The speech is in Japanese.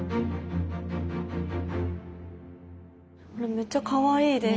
めっちゃかわいいです。